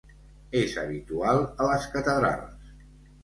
És habitual a les catedrals.